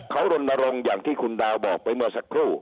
เขารณรงค์อย่างที่คุณดาวบอกไปเมื่อสักครู่